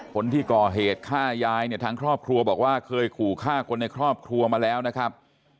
คนที่ก่อเหตุฆ่ายายเนี่ยทางครอบครัวบอกว่าเคยขู่ฆ่าคนในครอบครัวมาแล้วนะครับ